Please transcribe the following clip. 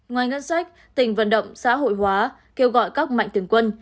ngoài ngân sách tỉnh vận động xã hội hóa kêu gọi các mạnh thường quân